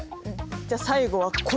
じゃあ最後はこれ。